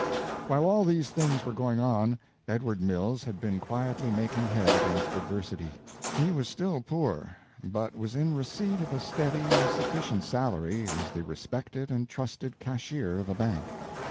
While all these things were going on, Edward Mills had been quietly making head against adversity. He was still poor, but was in receipt of a steady and sufficient salary, as the respected and trusted cashier of a bank.